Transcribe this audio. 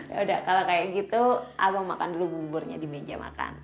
yaudah kalo kaya gitu abang makan dulu buburnya di meja makan